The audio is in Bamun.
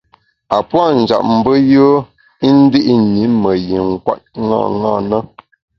A puâ’ njap mbe yùe i ndi’ ṅi me yin kwet ṅaṅâ na.